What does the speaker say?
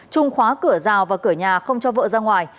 trung khóa cửa rào và cửa nhà không cho vợ ra ngoài